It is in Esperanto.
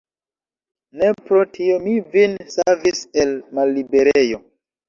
Ne pro tio mi vin savis el malliberejo.